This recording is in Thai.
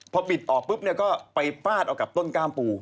พอบิดออกปุ๊บเนี่ยก็ไปฟาดเอากับต้นกล้ามปู